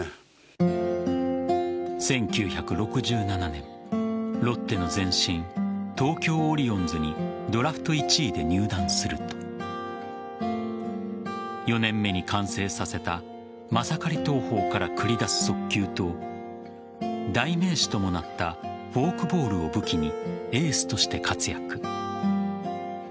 １９６７年、ロッテの前身東京オリオンズにドラフト１位で入団すると４年目に完成させたマサカリ投法から繰り出す速球と代名詞ともなったフォークボールを武器にエースとして活躍。